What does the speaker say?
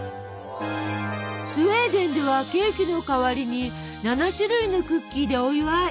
スウェーデンではケーキの代わりに７種類のクッキーでお祝い！